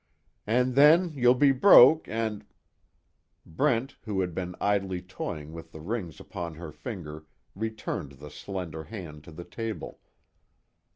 "And then you'll be broke and " Brent who had been idly toying with the rings upon her fingers returned the slender hand to the table.